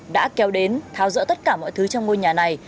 đã kéo đến tháo rỡ tất cả mọi thứ trong ngôi nhà này